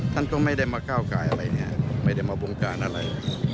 ท่านก็ไม่ได้มาก้าวกายอะไรอย่างนี้ไม่ได้มาบงการอะไร